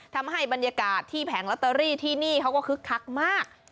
ทำให้บรรยากาศที่แผงลอตเตอรี่ที่นี่เขาก็คึกคักมาก